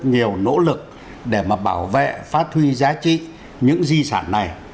nhiều nỗ lực để mà bảo vệ phát huy giá trị những di sản này